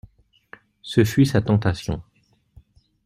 Ce fut sa tentation.